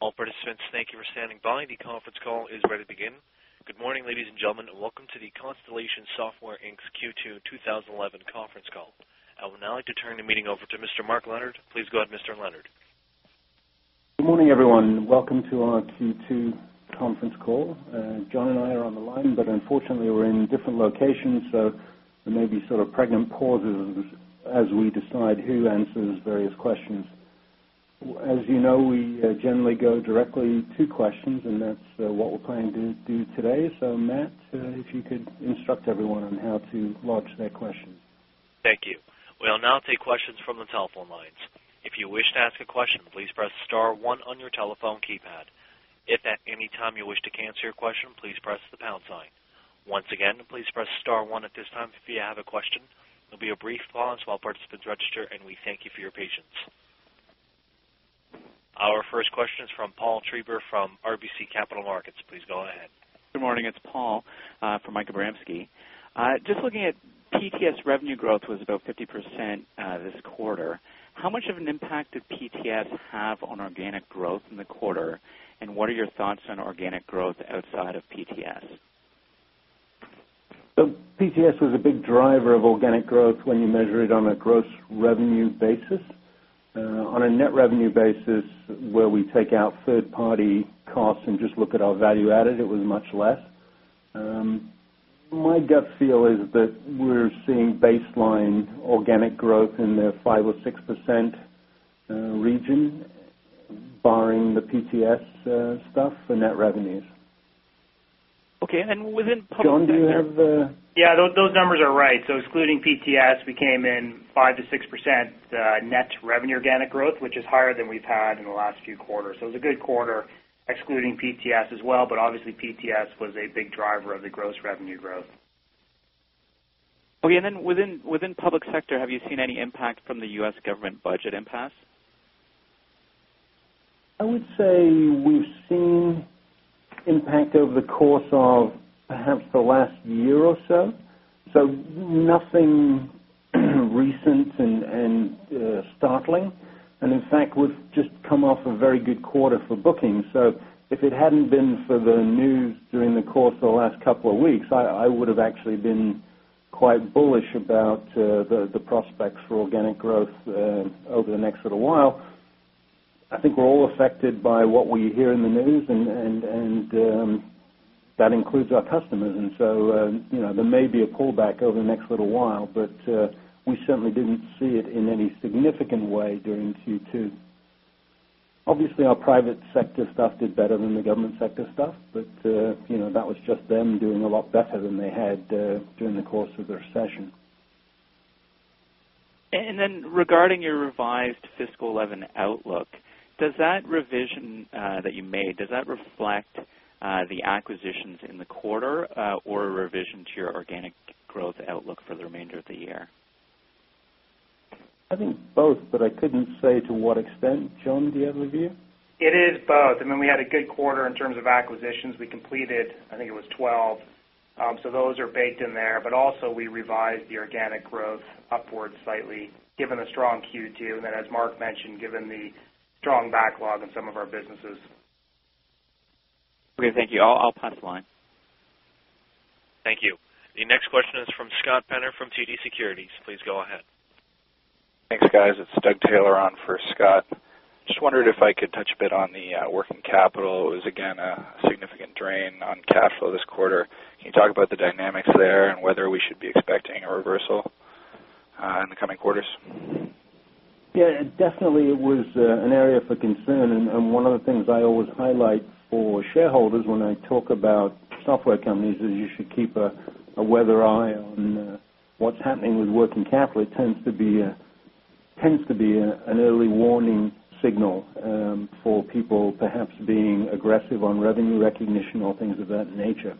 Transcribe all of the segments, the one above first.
All participants, thank you for standing by. The conference call is ready to begin. Good morning, ladies and gentlemen, and welcome to the Constellation Software Inc.'s Q2 2011 Conference Call. I would now like to turn the meeting over to Mr. Mark Leonard. Please go ahead, Mr. Leonard. Good morning, everyone. Welcome to our Q2 conference call. John and I are on the line, but unfortunately, we're in different locations, so there may be sort of pregnant pauses as we decide who answers various questions. As you know, we generally go directly to questions, and that's what we're planning to do today. Matt, if you could instruct everyone on how to lodge their question. Thank you. We'll now take questions from the telephone lines. If you wish to ask a question, please press star one on your telephone keypad. If at any time you wish to cancel your question, please press the pound sign. Once again, please press star one at this time if you have a question. There will be a brief pause while participants register, and we thank you for your patience. Our first question is from Paul Treiber from RBC Capital Markets. Please go ahead. Good morning. It's Paul for Michael Boranski. Just looking at PTS revenue growth, which was about 50% this quarter, how much of an impact did PTS have on organic growth in the quarter, and what are your thoughts on organic growth outside of PTS? PTS was a big driver of organic growth when you measure it on a gross revenue basis. On a net revenue basis, where we take out third-party costs and just look at our value added, it was much less. My gut feel is that we're seeing baseline organic growth in the 5% or 6% region, barring the PTS stuff for net revenues. Okay, within. John, do you have the? Yeah. Those numbers are right. Excluding PTS, we came in at 5%-6% net organic revenue growth, which is higher than we've had in the last few quarters. It was a good quarter excluding PTS as well, but obviously, PTS was a big driver of the gross revenue growth. Okay. Within public sector, have you seen any impact from the U.S. government budget impasse? I would say we've seen an impact over the course of perhaps the last year or so. Nothing recent and startling. In fact, we've just come off a very good quarter for bookings. If it hadn't been for the news during the course of the last couple of weeks, I would have actually been quite bullish about the prospects for organic growth over the next little while. I think we're all affected by what we hear in the news, and that includes our customers. There may be a pullback over the next little while, but we certainly didn't see it in any significant way during Q2. Obviously, our private sector stuff did better than the government sector stuff, but that was just them doing a lot better than they had during the course of the recession. Regarding your revised fiscal 2011 outlook, does that revision that you made reflect the acquisitions in the quarter or a revision to your organic growth outlook for the remainder of the year? I think both, but I couldn't say to what extent. John, do you have a view? It is both. I mean, we had a good quarter in terms of acquisitions. We completed, I think it was 12. Those are baked in there. We revised the organic growth upwards slightly given a strong Q2, and as Mark mentioned, given the strong backlog in some of our businesses. Okay. Thank you. I'll pass the line. Thank you. The next question is from Scott Penner from TD Securities. Please go ahead. Thanks, guys. It's Doug Taylor on for Scott. Just wondered if I could touch a bit on the working capital. It was, again, a significant drain on cash flow this quarter. Can you talk about the dynamics there and whether we should be expecting a reversal in the coming quarters? Yeah. Definitely, it was an area for concern. One of the things I always highlight for shareholders when I talk about software companies is you should keep a weather eye on what's happening with working capital. It tends to be an early warning signal for people perhaps being aggressive on revenue recognition or things of that nature.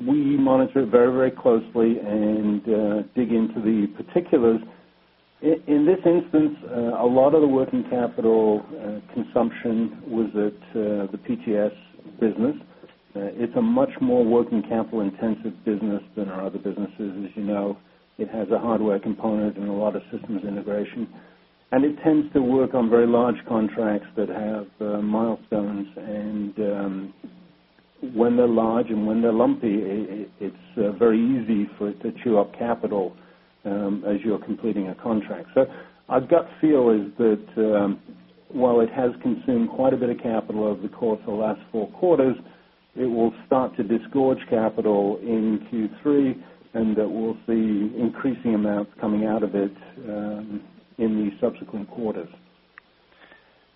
We monitor it very, very closely and dig into the particulars. In this instance, a lot of the working capital consumption was at the PTS business. It's a much more working capital-intensive business than our other businesses. As you know, it has a hardware component and a lot of systems integration. It tends to work on very large contracts that have milestones. When they're large and when they're lumpy, it's very easy for it to chew up capital as you're completing a contract. Our gut feel is that while it has consumed quite a bit of capital over the course of the last four quarters, it will start to disgorge capital in Q3, and that we'll see increasing amounts coming out of it in the subsequent quarters.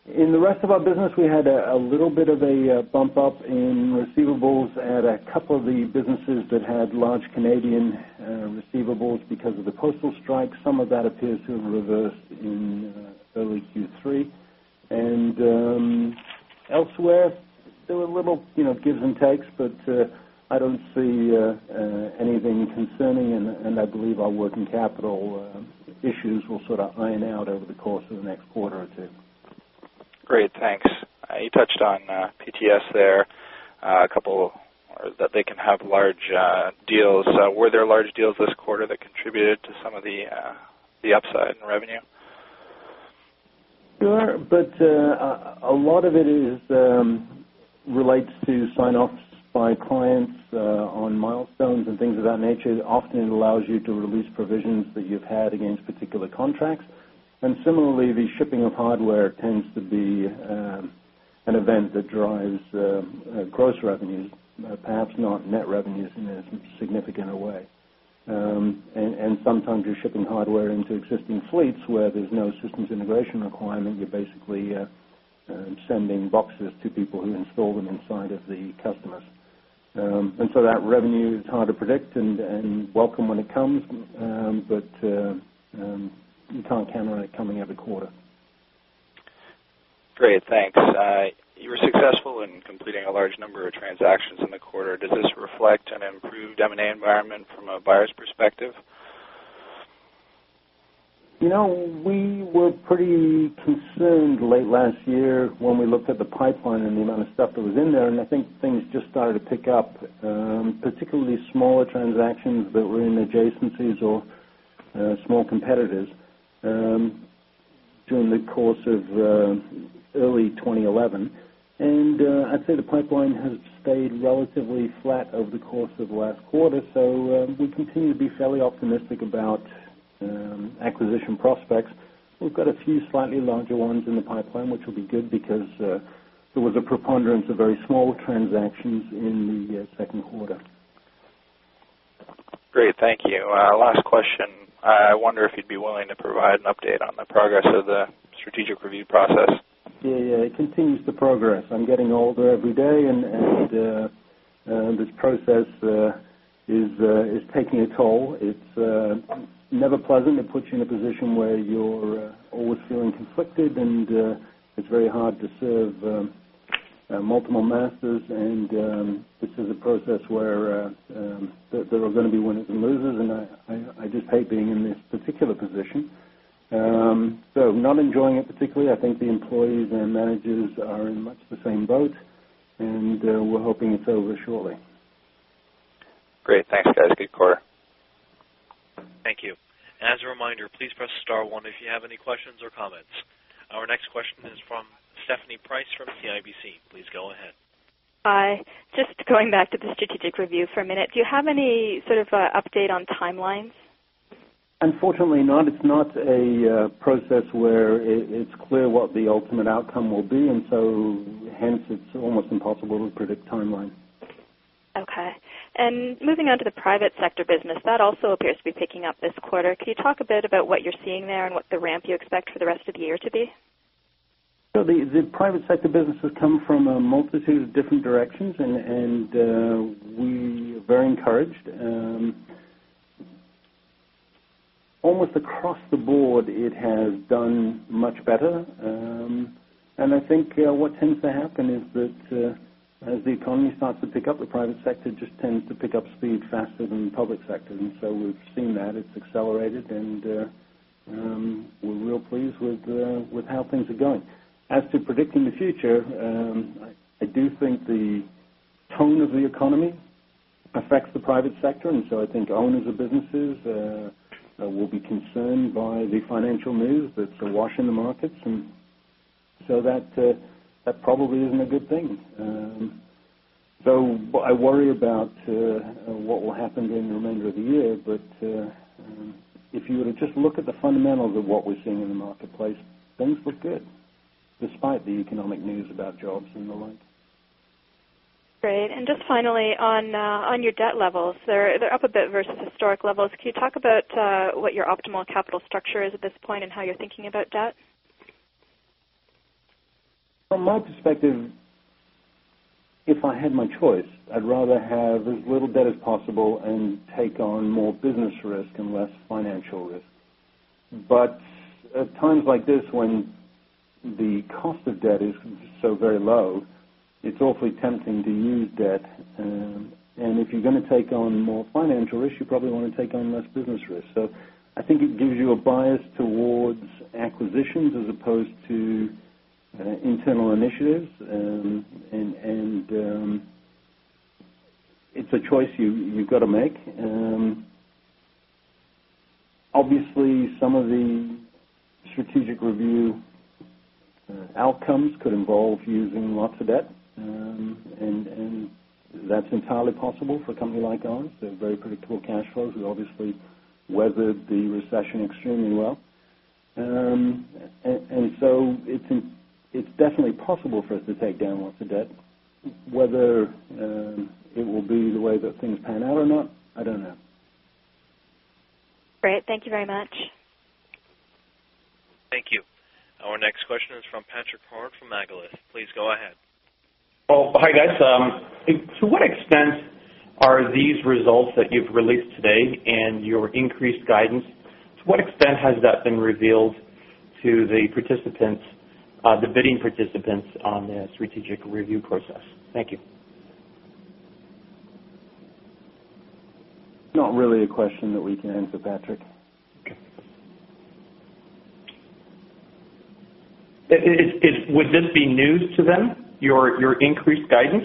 In the rest of our business, we had a little bit of a bump up in receivables at a couple of the businesses that had large Canadian receivables because of the postal strike. Some of that appears to have reversed in early Q3. Elsewhere, there were little, you know, gives and takes, but I don't see anything concerning, and I believe our working capital issues will sort of iron out over the course of the next quarter or two. Great. Thanks. You touched on PTS there, a couple that they can have large deals. Were there large deals this quarter that contributed to some of the upside in revenue? A lot of it relates to sign-offs by clients on milestones and things of that nature. Often, it allows you to release provisions that you've had against particular contracts. Similarly, the shipping of hardware tends to be an event that drives gross revenue, perhaps not net revenues in a significant way. Sometimes, you're shipping hardware into existing fleets where there's no systems integration requirement. You're basically sending boxes to people who install them inside of the customers. That revenue is hard to predict and welcome when it comes, but you can't count on it coming every quarter. Great. Thanks. You were successful in completing a large number of transactions in the quarter. Does this reflect an improved M&A environment from a buyer's perspective? We were pretty concerned late last year when we looked at the pipeline and the amount of stuff that was in there. I think things just started to pick up, particularly smaller transactions that were in adjacencies or small competitors during the course of early 2011. I'd say the pipeline has stayed relatively flat over the course of the last quarter. We continue to be fairly optimistic about acquisition prospects. We've got a few slightly larger ones in the pipeline, which will be good because there was a preponderance of very small transactions in the second quarter. Great. Thank you. Last question. I wonder if you'd be willing to provide an update on the progress of the strategic review process. Yeah, it continues to progress. I'm getting older every day, and this process is taking a toll. It's never pleasant. It puts you in a position where you're always feeling conflicted, and it's very hard to serve multiple masters. This is a process where there are going to be winners and losers, and I just hate being in this particular position. I'm not enjoying it particularly. I think the employees and managers are in much the same boat, and we're hoping it's over shortly. Great. Thanks, guys. Good quarter. Thank you. As a reminder, please press star one if you have any questions or comments. Our next question is from Stephanie Price from CIBC. Please go ahead. Hi. Just going back to the strategic review for a minute, do you have any sort of update on timelines? Unfortunately not. It's not a process where it's clear what the ultimate outcome will be, so it's almost impossible to predict timeline. Okay. Moving on to the private sector business, that also appears to be picking up this quarter. Can you talk a bit about what you're seeing there and what the ramp you expect for the rest of the year to be? The private sector business has come from a multitude of different directions, and we are very encouraged. Almost across the board, it has done much better. I think what tends to happen is that as the economy starts to pick up, the private sector just tends to pick up speed faster than the public sector. We've seen that. It's accelerated, and we're real pleased with how things are going. As to predicting the future, I do think the tone of the economy affects the private sector. I think owners of businesses will be concerned by the financial news that's washing the markets. That probably isn't a good thing. I worry about what will happen during the remainder of the year. If you were to just look at the fundamentals of what we're seeing in the marketplace, things look good despite the economic news about jobs and the like. Great. Just finally, on your debt levels, they're up a bit versus historic levels. Can you talk about what your optimal capital structure is at this point and how you're thinking about debt? From my perspective, if I had my choice, I'd rather have as little debt as possible and take on more business risk and less financial risk. At times like this, when the cost of debt is so very low, it's awfully tempting to use debt. If you're going to take on more financial risk, you probably want to take on less business risk. I think it gives you a bias towards acquisitions as opposed to internal initiatives, and it's a choice you've got to make. Obviously, some of the strategic review outcomes could involve using lots of debt, and that's entirely possible for a company like ours. There are very predictable cash flows. We obviously weathered the recession extremely well, and it's definitely possible for us to take down lots of debt. Whether it will be the way that things pan out or not, I don't know. Great. Thank you very much. Thank you. Our next question is from Patrick Pollock from Agilis. Please go ahead. Oh, hi, guys. To what extent are these results that you've released today and your increased guidance, to what extent has that been revealed to the participants, the bidding participants on the strategic review process? Thank you. Not really a question that we can answer, Patrick. Would this be news to them, your increased guidance?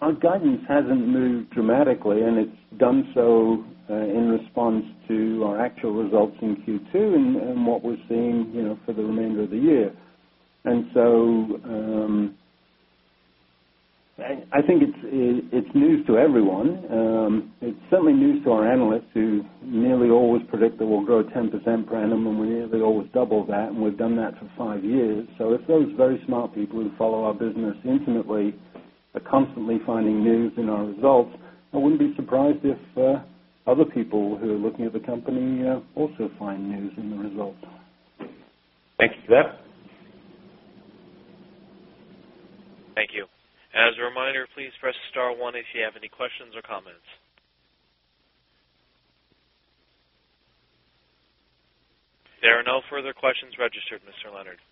Our guidance hasn't moved dramatically, and it's done so in response to our actual results in Q2 and what we're seeing for the remainder of the year. I think it's news to everyone. It's certainly news to our analysts who nearly always predict that we'll grow 10% per annum, and we nearly always double that. We've done that for five years. If those very smart people who follow our business intimately are constantly finding news in our results, I wouldn't be surprised if other people who are looking at the company also find news in the results. Thanks for that. Thank you. As a reminder, please press star one if you have any questions or comments. There are no further questions registered, Mr. Leonard.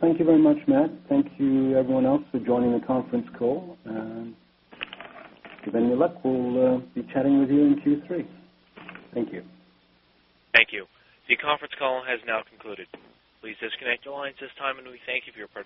Thank you very much, Matt. Thank you, everyone else, for joining the conference call. If any luck, we'll be chatting with you in Q3. Thank you. Thank you. The conference call has now concluded. Please disconnect your lines at this time, and we thank you for your time.